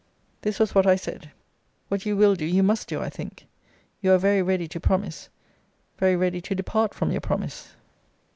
This was what I said What you will do, you must do, I think. You are very ready to promise; very ready to depart from your promise.